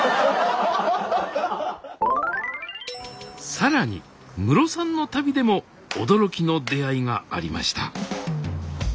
更にムロさんの旅でも驚きの出会いがありました。